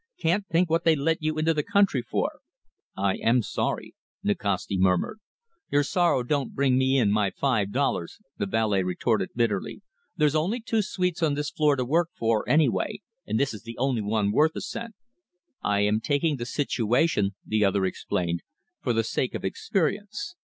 Can't think what they let you into the country for." "I am sorry," Nikasti murmured. "Your sorrow don't bring me in my five dollars," the valet retorted bitterly. "There's only two suites on this floor to work for, anyway, and this is the only one worth a cent." "I am taking the situation," the other explained, "for the sake of experience.